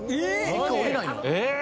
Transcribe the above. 一回降りないの？